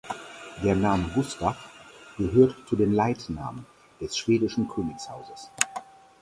Der Name Gustav gehört zu den Leitnamen des schwedischen Königshauses.